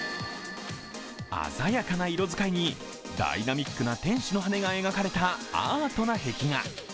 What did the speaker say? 鮮やかな色使いにダイナミックな天使の羽が描かれたアートな壁画。